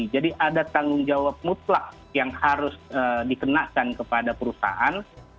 jadi ada tanggung jawab mutlak yang harus dikenakan kepada perusahaan